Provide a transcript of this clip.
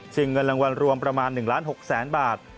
จึงเงินรางวัลรวมประมาณหนึ่งล้านหกแสนบาท